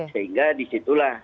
sehingga di situlah